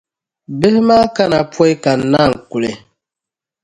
Bihi maa kana pↄi ka n-naanyi kuli